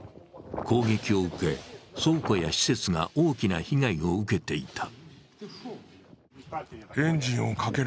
攻撃を受け、倉庫や施設が大きな被害を受けていた。